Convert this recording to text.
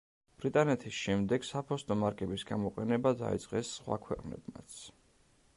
ბრიტანეთის შემდეგ საფოსტო მარკების გამოყენება დაიწყეს სხვა ქვეყნებმაც.